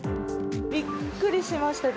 びっくりしました。